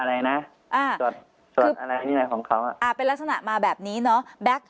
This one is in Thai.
ส่วนส่วนอะไรนี่แหละของเขาอ่ะอ่าเป็นลักษณะมาแบบนี้เนอะแบ๊ก